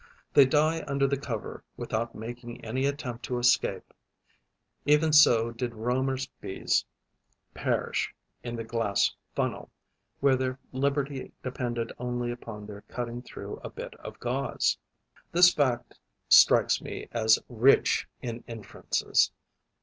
They die under the cover without making any attempt to escape. Even so did Reaumur's Bees perish in the glass funnel, where their liberty depended only upon their cutting through a bit of gauze. This fact strikes me as rich in inferences.